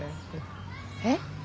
えっ？